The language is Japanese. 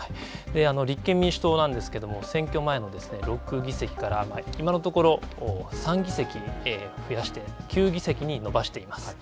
立憲民主党なんですけれども、選挙前の６議席から今のところ３議席増やして９議席に伸ばしています。